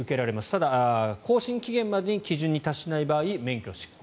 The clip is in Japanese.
ただ、更新期限までに基準に達しない場合、免許失効。